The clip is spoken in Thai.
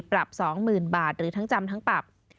ปรับ๒๐๐๐บาทหรือทั้งจำทั้งปรับ